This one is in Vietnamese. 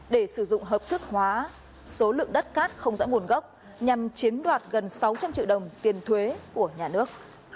để sử dụng hợp thức hóa số lượng đất cát không rõ nguồn gốc nhằm chiếm đoạt gần sáu trăm linh triệu đồng tiền thuế của nhà nước